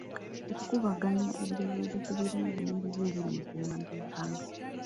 Okukubaganya ebirowoozo ku birungi n'ebibi ebiri mu kuwandiika